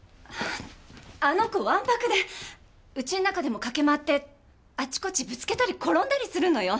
あの子わんぱくでうちの中でも駆け回ってあちこちぶつけたり転んだりするのよ。